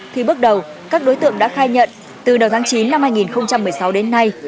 thì bước đầu các đối tượng đã khai nhận từ đầu tháng chín năm hai nghìn một mươi sáu đến nay